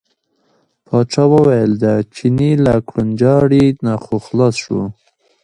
پاچا وویل د چیني له کوړنجاري نه خو خلاص شو.